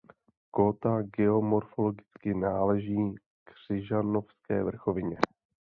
Kóta geomorfologicky náleží Křižanovské vrchovině.